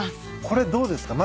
これどうですか？